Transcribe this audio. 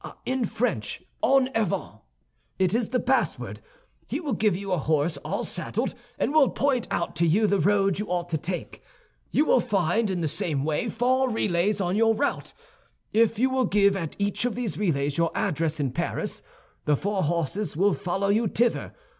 "In French, En avant. It is the password. He will give you a horse all saddled, and will point out to you the road you ought to take. You will find, in the same way, four relays on your route. If you will give at each of these relays your address in Paris, the four horses will follow you thither.